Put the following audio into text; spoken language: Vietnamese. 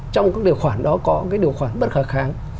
trong các điều khoản đó có cái điều khoản bất khả kháng